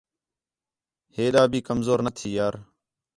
ہے ݙا بھی کمزور نہ تھی یار